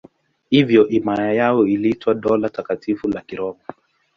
Hivyo himaya yao iliitwa Dola Takatifu la Kiroma.